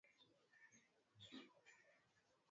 Wageni wengi huishia kutazama kutokana na kuogopa